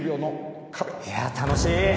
いや楽しい。